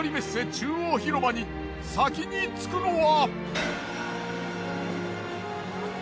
中央広場に先に着くのは？